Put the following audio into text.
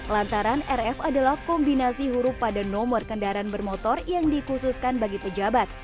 lantaran rf adalah kombinasi huruf pada nomor kendaraan bermotor yang dikhususkan bagi pejabat